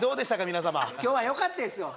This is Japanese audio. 皆様今日はよかったですよ